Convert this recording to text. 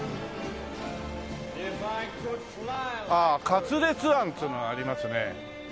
ああ勝烈庵っつうのがありますね。